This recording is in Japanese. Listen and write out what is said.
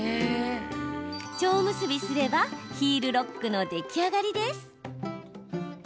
ちょう結びすればヒールロックの出来上がりです。